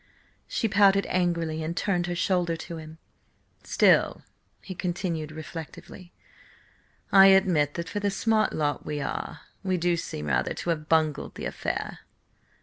She pouted angrily and turned her shoulder to him. "Still," he continued reflectively, "I admit that for the smart lot we are, we do seem rather to have bungled the affair."